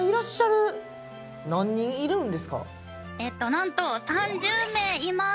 なんと３０名います。